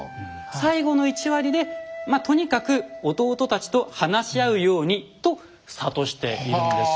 最後の１割でまあとにかく弟たちと話し合うようにと諭しているんです。